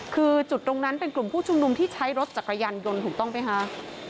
คือจุดตรงนั้นเป็นกลุ่มผู้ชุมนุมที่ใช้รถจักรยานยนต์ถูกต้องไหมคะ